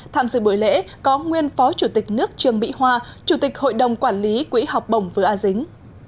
tham dự buổi lễ có nguyên phó chủ tịch nước trương mỹ hoa chủ tịch hội đồng quản lý quỹ học bổng vừa a dính